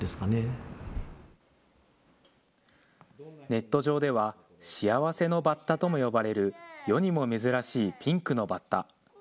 ネット上では、幸せのバッタとも呼ばれる世にも珍しいピンクのバッタ。